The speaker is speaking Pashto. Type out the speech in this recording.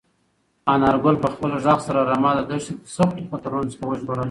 انارګل په خپل غږ سره رمه د دښتې له سختو خطرونو څخه وژغورله.